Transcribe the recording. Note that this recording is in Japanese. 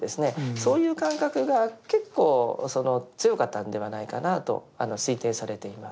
そういう感覚が結構強かったんではないかなと推定されています。